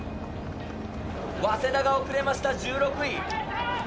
早稲田が遅れました、１６位。